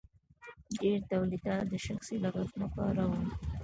ډیر تولیدات د شخصي لګښت لپاره وو.